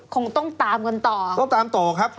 คงต้องตามกันต่อ